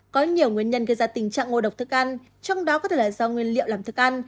có nhiều nguyên nhân gây ra tình trạng ngộ độc thức ăn trong đó có thể là do nguyên liệu làm thức ăn